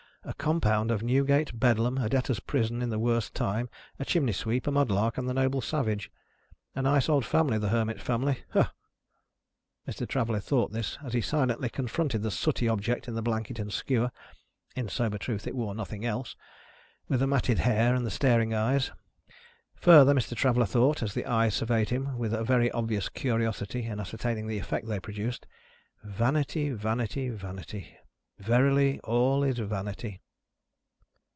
"A compound of Newgate, Bedlam, a Debtors' Prison in the worst time, a chimney sweep, a mudlark, and the Noble Savage! A nice old family, the Hermit family. Hah!" Mr. Traveller thought this, as he silently confronted the sooty object in the blanket and skewer (in sober truth it wore nothing else), with the matted hair and the staring eyes. Further, Mr. Traveller thought, as the eye surveyed him with a very obvious curiosity in ascertaining the effect they produced, "Vanity, vanity, vanity! Verily, all is vanity!"